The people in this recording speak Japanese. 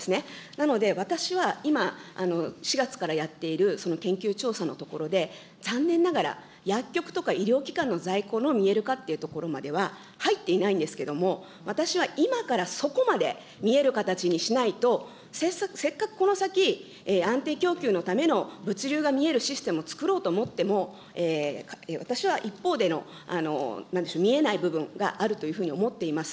なので私は今、４月からやっている研究調査のところで、残念ながら、薬局とか医療機関の在庫の見える化というところまでは入っていないんですけども、私は今からそこまで見える形にしないと、せっかくこの先、安定供給のための物流が見えるシステムをつくろうと思っても、私は一方での、なんでしょう、見えない部分があるというふうに思っています。